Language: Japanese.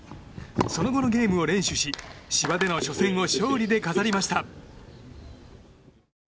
その後のゲームを連取し芝での初戦を勝利で飾りました。